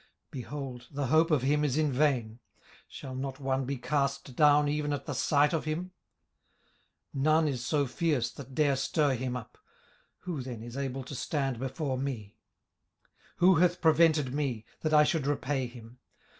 18:041:009 Behold, the hope of him is in vain: shall not one be cast down even at the sight of him? 18:041:010 None is so fierce that dare stir him up: who then is able to stand before me? 18:041:011 Who hath prevented me, that I should repay him?